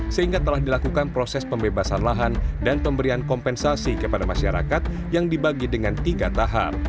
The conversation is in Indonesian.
sehingga telah dilakukan proses pembebasan lahan dan pemberian kompensasi kepada masyarakat yang dibagi dengan tiga tahap